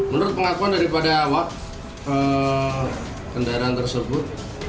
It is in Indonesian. menurut pengakuan daripada awak kendaraan tersebut